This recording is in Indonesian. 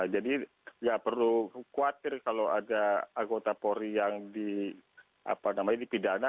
jadi tidak perlu khawatir kalau ada anggota polri yang dipidana